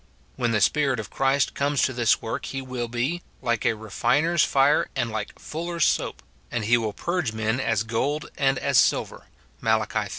When the Spirit of Christ comes to this work he will be " like a refiner's fire and like fullers' soap," and he will purge men as gold and as silver, Mai. iii.